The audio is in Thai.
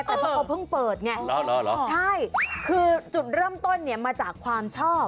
แต่เพราะเขาเพิ่งเปิดไงใช่คือจุดเริ่มต้นเนี่ยมาจากความชอบ